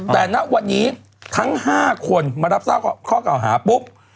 แต่วันนี้ทั้ง๕คนมารับเศร้าข้อก่อข่าวหาพุบ